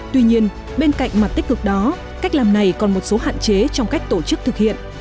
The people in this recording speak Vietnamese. tuy nhiên bên cạnh mặt tích cực đó cách làm này còn một số hạn chế trong cách tổ chức thực hiện